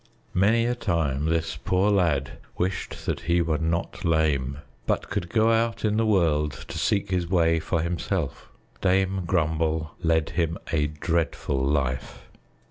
Many a time this poor lad wished that he were not lame, but could go out in the world to seek his way for himself. Dame Grumble led him a dreadful life.